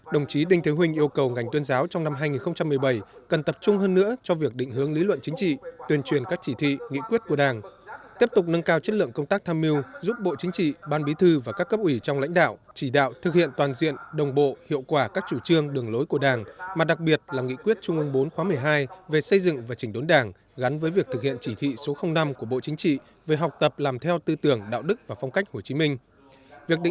đồng chí đinh thế huynh yêu cầu ngành tuyên giáo trong năm hai nghìn một mươi bảy cần tập trung hơn nữa cho việc định hướng lý luận chính trị tuyên truyền các chỉ thị nghị quyết của đảng tiếp tục nâng cao chất lượng công tác tham mưu giúp bộ chính trị ban bí thư và các cấp ủy trong lãnh đạo chỉ đạo thực hiện toàn diện đồng bộ hiệu quả các chủ trương đường lối của đảng mà đặc biệt là nghị quyết trung ương bốn khóa một mươi hai về xây dựng và chỉnh đốn đảng gắn với việc thực hiện chỉ thị số năm của bộ chính trị về học tập làm theo tư tưởng đạo đức và phong cách hồ chí